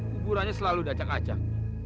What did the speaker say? kuburannya selalu dacak acak